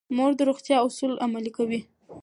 مور د روغتیا اصول عملي کوي.